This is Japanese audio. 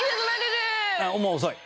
もう遅い。